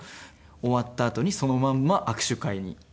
終わったあとにそのまんま握手会に行って。